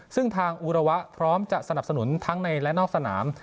ซึ่งทางอุระวะพร้อมจะสนับสนุนทั้งในและนอกสนาม